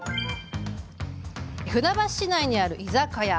船橋市内にある居酒屋。